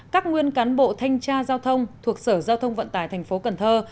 các nguyên cán bộ thanh tra giao thông thuộc sở giao thông vận tải thành phố cần thơ